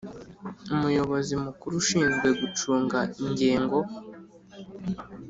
Umuyobozi mukuru ushinzwe gucunga ingengo